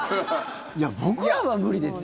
いや、僕らは無理ですよ。